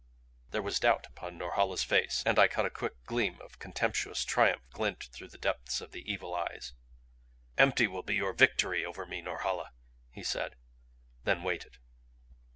There was doubt upon Norhala's face and I caught a quick gleam of contemptuous triumph glint through the depths of the evil eyes. "Empty will be your victory over me, Norhala," he said; then waited.